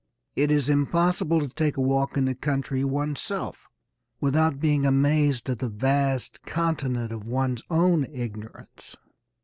It is impossible to take a walk in the country oneself without being amazed at the vast continent of one's own ignorance.